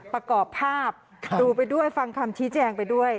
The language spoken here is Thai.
ประกอบภาพดูไปด้วยฟังคำชี้แจงไปด้วย